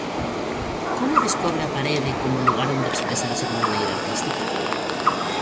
Como descobre a parede como lugar onde expresarse de maneira artística?